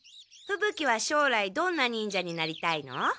ふぶ鬼はしょうらいどんな忍者になりたいの？